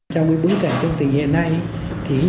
trong bước cảnh trong tình hiện nay